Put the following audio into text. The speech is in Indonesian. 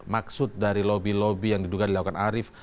maksud dari lobby lobby yang diduga dilakukan arief